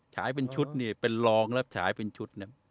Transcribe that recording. ฉายเป็นชุดนี่เป็นรองรับฉายเป็นชุดเนี่ย